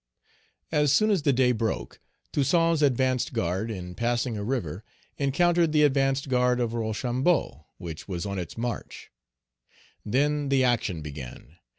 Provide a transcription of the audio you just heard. As soon as the day broke, Toussaint's advanced guard, in passing a river, encountered the advanced guard of Rochambeau, which was on its march. Then the action began.